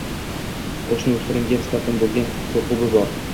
qo‘shni o‘spiringa nisbatan bo‘lgan qo‘rquvi bor.